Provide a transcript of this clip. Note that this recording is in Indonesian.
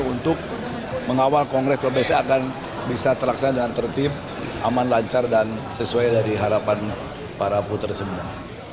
untuk mengawal kongres kalau besok akan bisa terlaksana dengan tertib aman lancar dan sesuai dari harapan para putra semua